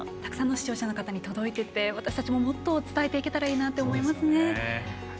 たくさんの視聴者の方に届いていて、私たちももっと伝えていけたらなと思いますよね。